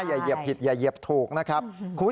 เหยียบผิดอย่าเหยียบถูกนะครับ